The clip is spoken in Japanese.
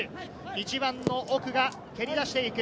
１番の奥が蹴り出していく。